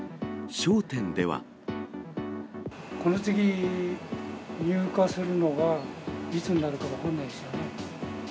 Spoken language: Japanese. この次、入荷するのがいつになるか分かんないですよね。